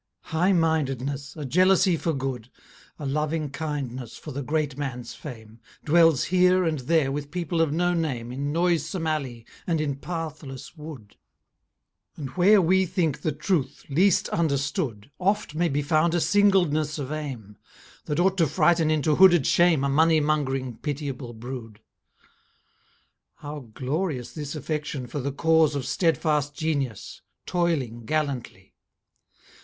Highmindedness, a jealousy for good, A loving kindness for the great man's fame, Dwells here and there with people of no name, In noisome alley, and in pathless wood: And where we think the truth least understood, Oft may be found a "singleness of aim," That ought to frighten into hooded shame A money mong'ring, pitiable brood. How glorious this affection for the cause Of stedfast genius, toiling gallantly!